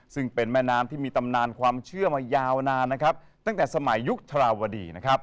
ซึ่งเป็นแม่น้ำที่มีตำนานความเชื่อมายาวนานนะครับตั้งแต่สมัยยุคธราวดีนะครับ